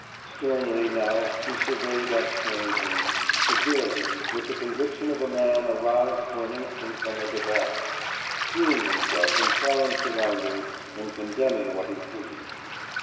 Sternly now he surveyed that strange room, severely, with the conviction of a man aroused for an instant from a debauch, seeing himself in foreign surroundings and condemning what he sees.